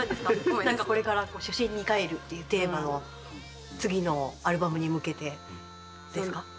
これから初心にかえるっていうテーマを次のアルバムに向けてですか？